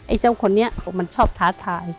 เจ้าคนนี้มันชอบท้าทาย